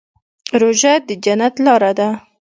روژه د جنت لاره ده.